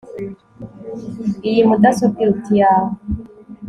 Iyi mudasobwa iruta iyawe